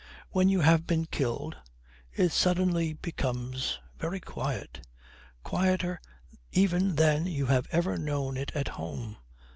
When you have been killed it suddenly becomes very quiet; quieter even than you have ever known it at home.